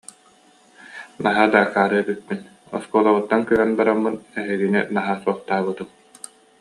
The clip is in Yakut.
Наһаа да акаары эбиппин, оскуолабыттан көһөн бараммын эһигини наһаа суохтаабытым